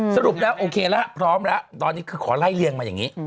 สรุปแล้วโอเคแล้วพร้อมแล้วตอนนี้คือขอไล่เรียงมาอย่างนี้